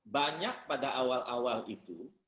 banyak pada awal awal itu